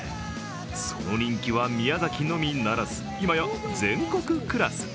その人気は宮崎のみならず今や全国クラス。